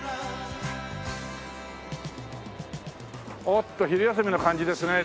おっと昼休みの感じですね